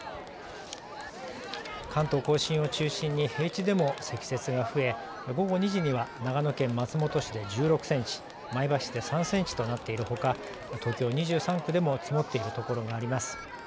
関東甲信を中心に平地でも積雪が増え午後２時には長野県松本市で１６センチ、前橋市で３センチとなっているほか、東京２３区でも積もっている所があります。